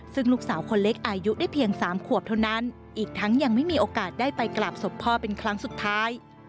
ซึ่งลูกสาวคนเล็กอายุได้เพียง๓ขวบเท่านั้นอีกทั้งยังไม่มีโอกาสได้ไปกราบศพพ่อเป็นครั้งสุดท้าย